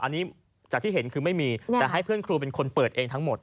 อันนี้จากที่เห็นคือไม่มีแต่ให้เพื่อนครูเป็นคนเปิดเองทั้งหมด